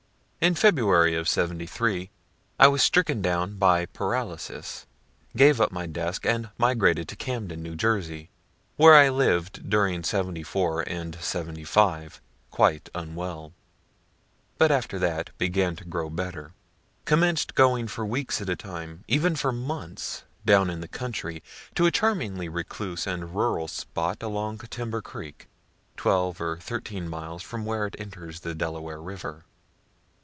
In February '73 I was stricken down by paralysis, gave up my desk, and migrated to Camden, New Jersey, where I lived during '74 and '75, quite unwell but after that began to grow better; commenc'd going for weeks at a time, even for months, down in the country, to a charmingly recluse and rural spot along Timber creek, twelve or thirteen miles from where it enters the Delaware river.